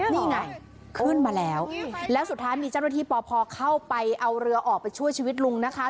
นี่ไงขึ้นมาแล้วแล้วสุดท้ายมีเจ้าหน้าที่ปพเข้าไปเอาเรือออกไปช่วยชีวิตลุงนะคะ